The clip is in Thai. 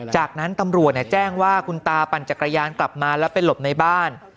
จากนั้นตำรวจแจ้งว่าคุณตาปั่นจักรยานกลับมาแล้วไปหลบในบ้าน